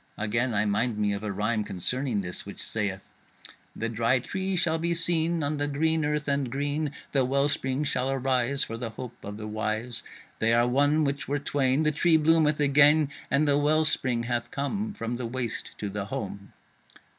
Again I mind me of a rhyme concerning this which sayeth: The Dry Tree shall be seen On the green earth, and green The Well spring shall arise For the hope of the wise. They are one which were twain, The Tree bloometh again, And the Well spring hath come From the waste to the home.